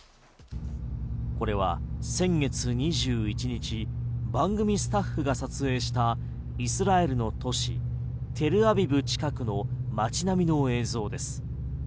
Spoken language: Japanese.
これは先月２１日番組スタッフが撮影したイスラエルの都市テルアビブ近くの街並みの映像です。